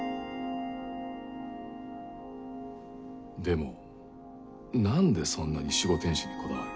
でも何でそんなに守護天使にこだわる？